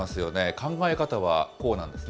考え方はこうなんですね。